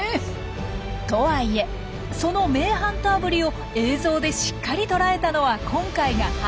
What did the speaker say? とはいえその名ハンターぶりを映像でしっかり捉えたのは今回が初めて。